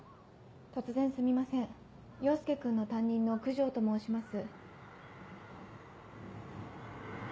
・突然すみません陽介君の担任の九条と申します